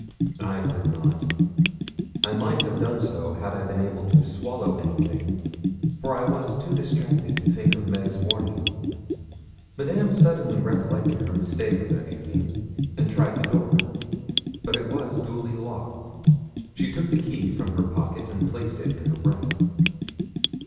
I could not. I might have done so had I been able to swallow anything for I was too distracted to think of Meg's warning. Madame suddenly recollected her mistake of that evening, and tried the door; but it was duly locked. She took the key from her pocket and placed it in her breast.